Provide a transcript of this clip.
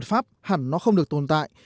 luật pháp hẳn nó không được tồn tại